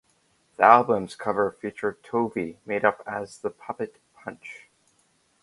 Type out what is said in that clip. The album's cover featured Tovey made up as the puppet Punch.